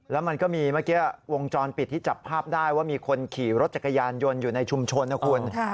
แล้วมันก็มีเมื่อกี้วงจรปิดที่จับภาพได้ว่ามีคนขี่รถจักรยานยนต์อยู่ในชุมชนนะคุณ